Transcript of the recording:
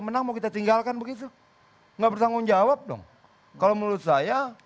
menang mau kita tinggalkan begitu enggak bertanggung jawab dong kalau menurut saya